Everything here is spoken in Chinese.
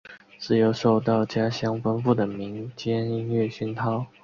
自幼受到家乡丰富的民间音乐熏陶。